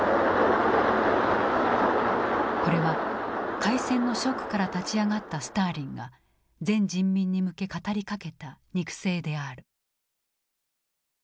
これは開戦のショックから立ち上がったスターリンが全人民に向け語りかけた肉声である。